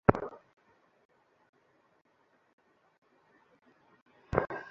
আমাকে তোমার পাশে পাবে।